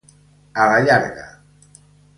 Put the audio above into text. A la llarga.